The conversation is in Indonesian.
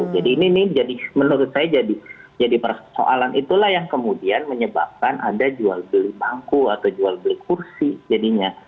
jadi ini menurut saya jadi persoalan itulah yang kemudian menyebabkan ada jual beli bangku atau jual beli kursi jadinya